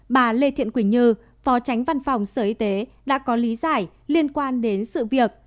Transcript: bà lê thiện quỳnh như phó tránh văn phòng sở y tế đã có lý giải liên quan đến sự việc